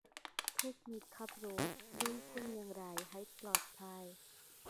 เทคนิคการขับรถลุยฝนอย่างไรให้ปลอดภัย